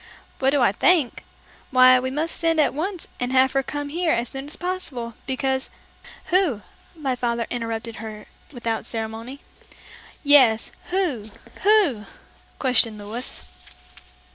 "What do I think? Why we must send at once and have her come here as soon as possible, because " "Who?" my father interrupted her without ceremony. "Yes; who? who?" questioned Louis.